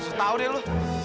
setau dia lu